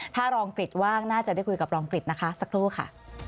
ถ้ารองกริจว่างน่าจะได้คุยกับรองกริจนะคะสักครู่ค่ะ